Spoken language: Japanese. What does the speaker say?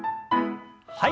はい。